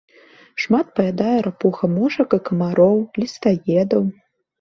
Шмат паядае рапуха мошак і камароў, лістаедаў.